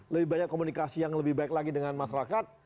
lebih banyak komunikasi yang lebih baik lagi dengan masyarakat